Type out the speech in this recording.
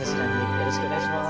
よろしくお願いします。